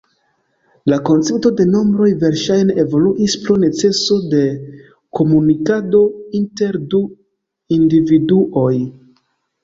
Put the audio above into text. La koncepto de nombroj verŝajne evoluis pro neceso de komunikado inter du individuoj.